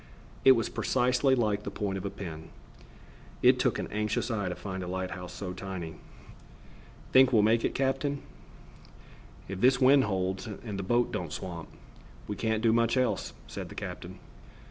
It was precisely like the point of a pin. It took an anxious eye to find a light house so tiny. "Think we'll make it, captain?" "If this wind holds and the boat don't swamp, we can't do much else," said the captain.